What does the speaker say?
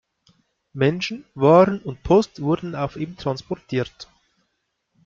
Menschen, Waren und Post wurden auf ihm transportiert.